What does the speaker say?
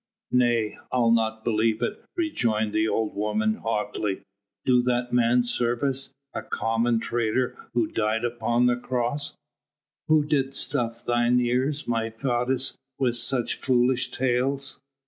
"Nay! I'll not believe it," rejoined the old woman hotly. "Do that man service? A common traitor who died upon the cross. Who did stuff thine ears, my goddess, with such foolish tales?"